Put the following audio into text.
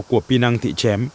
của pinang thị chém